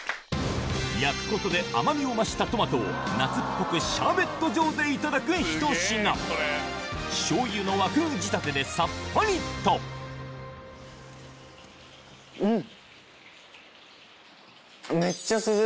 焼くことで甘みを増したトマトを夏っぽくシャーベット状でいただくひと品しょうゆの和風仕立てでサッパリとんっ！